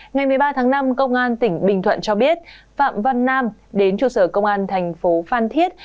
ngày một mươi ba tháng năm công an tỉnh bình thuận cho biết phạm văn nam đến trụ sở công an thành phố phan thiết